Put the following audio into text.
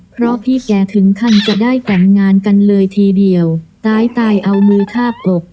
เพราะพี่แกถึงขั้นจะได้แต่งงานกันเลยทีเดียวตายตายเอามือทาบอก